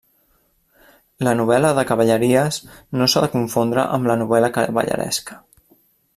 La novel·la de cavalleries no s'ha de confondre amb la novel·la cavalleresca.